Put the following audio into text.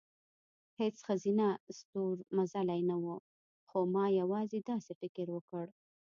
هېڅ ښځینه ستورمزلې نه وه، خو ما یوازې داسې فکر وکړ،